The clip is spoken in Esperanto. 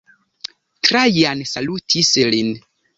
Trajan salutis lin.